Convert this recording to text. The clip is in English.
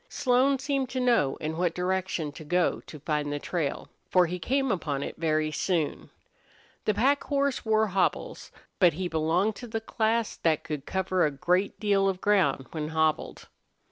Slone seemed to know in what direction to go to find the trail, for he came upon it very soon. The pack horse wore hobbles, but he belonged to the class that could cover a great deal of ground when hobbled.